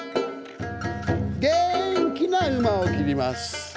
元気な馬を切ります。